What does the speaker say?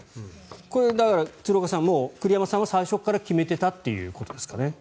これは鶴岡さん栗山さんは最初から決めていたということですかね？